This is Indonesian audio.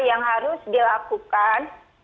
yang harus dilakukan